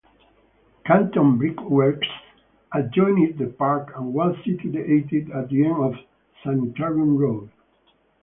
Canton Brickworks adjoined the park and was situated at the end of Sanitorium Road.